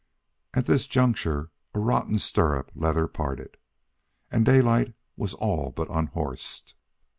At this juncture a rotten stirrup leather parted, and Daylight was all but unhorsed.